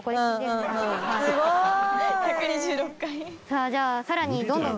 さあじゃあさらに。